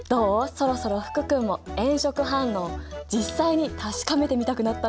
そろそろ福君も炎色反応実際に確かめてみたくなったんじゃない？